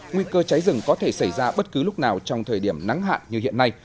nguy cơ cháy rừng có thể xảy ra bất cứ lúc nào trong thời điểm nắng hạn như hiện nay